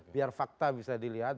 biar fakta bisa dilihat